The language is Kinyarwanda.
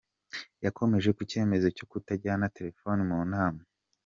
Yakomoje ku cyemezo cyo kutajyana telefoni mu nama.